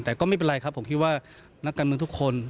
แต่ก็ไม่เป็นไรครับผมคิดว่านักการเมืองทุกคน